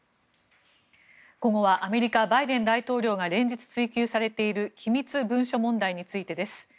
午後はアメリカ、バイデン大統領が連日追及されている機密文書問題についてです。